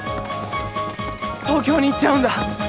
東京に行っちゃうんだ。